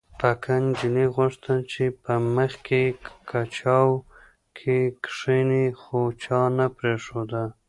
پکه نجلۍ غوښتل چې په مخکې کجاوو کې کښېني خو چا نه پرېښوده